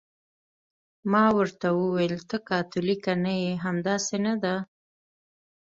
ما ورته وویل: ته کاتولیکه نه یې، همداسې نه ده؟